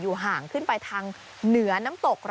ห่างขึ้นไปทางเหนือน้ำตก